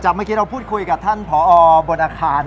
เมื่อกี้เราพูดคุยกับท่านผอบนอาคาร